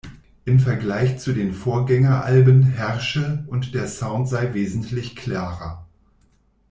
Im Vergleich zu den Vorgängeralben herrsche und der Sound sei wesentlich klarer.